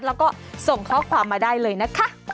แล้วก็ส่งข้อความมาได้เลยนะคะ